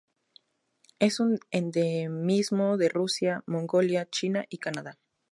Es un endemismo de Rusia, Mongolia, China y Canadá